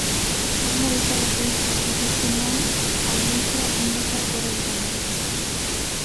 Porno bezalako hitzak dituztenean, audientzia indizeak gora egiten du.